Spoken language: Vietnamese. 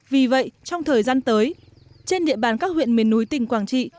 vì vậy trong thời gian tới trên địa bàn các huyện miền núi tỉnh quảng trị